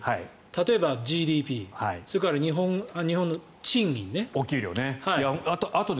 例えば、ＧＤＰそれから日本の賃金ね。